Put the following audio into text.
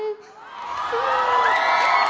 ขอบคุณค่ะ